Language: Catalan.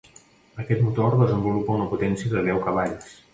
Aquest motor desenvolupa una potència de deu cavalls.